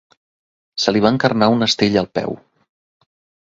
Se li va encarnar una estella al peu.